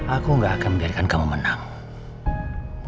aku gak akan membiarkan kamu menang